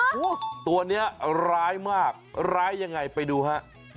โอ้โหตัวนี้ร้ายมากร้ายยังไงไปดูฮะ